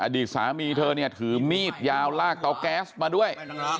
อดีตสามีเธอเนี่ยถือมีดยาวลากเตาแก๊สมาด้วย